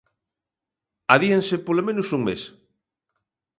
Adíanse polo menos un mes.